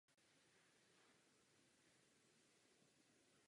Je vyrovnaný.